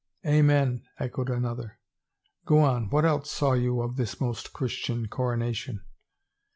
" Amen !*' echoed another. " Go on, what else saw you of this most Christian coronation